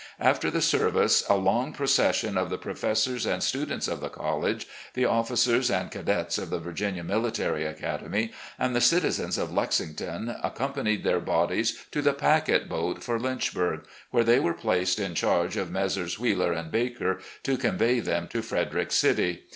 After the service a long procession of the professors and students of the college, the officers and cadets of the Virginia Military Academy, and the citizens of Lexington accompanied their bodies to the packet boat for Lynchburg, where they were placed in charge of Messrs. Wheeler & Baker to convey them to Frederick City.